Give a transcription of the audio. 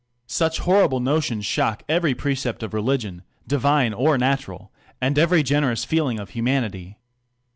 Such horrible notions •^hock every precept of religion, divine or natura , and every crencrous feeling of humanity.